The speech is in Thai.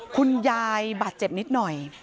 คุณยายบาดเจ็บนิดหน่อย